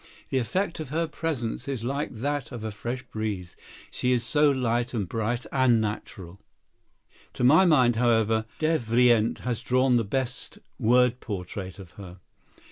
The effect of her presence is like that of a fresh breeze, she is so light and bright and natural." To my mind, however, Devrient has drawn the best word portrait of her.